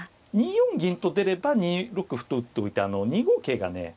２四銀と出れば２六歩と打っておいて２五桂がね